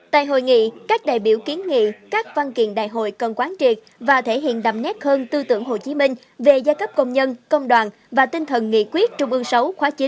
tại hội nghị các đại biểu kiến nghị các văn kiện đại hội cần quán triệt và thể hiện đậm nét hơn tư tưởng hồ chí minh về giai cấp công nhân công đoàn và tinh thần nghị quyết trung ương sáu khóa chín